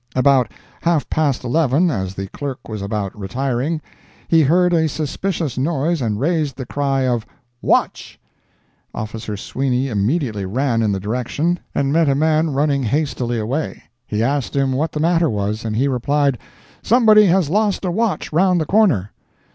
About half past eleven, as the clerk was about retiring, he heard a suspicious noise and raised the cry of "Watch!" Officer Sweeney immediately ran in the direction, and met a man running hastily away. He asked him what the matter was, and he replied "Somebody has lost a watch round the corner."